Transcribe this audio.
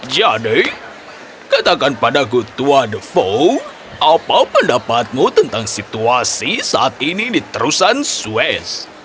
jadi katakan padaku tuan fogg apa pendapatmu tentang situasi saat ini di terusan suez